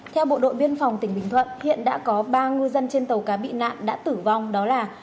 theo bộ đội biên phòng tỉnh bình thuận hiện đã có ba ngư dân trên tàu cá bị nạn đã tử vong đó là